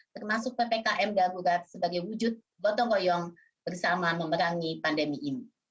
termasuk ppkm darurat sebagai wujud gotong royong bersama memerangi pandemi ini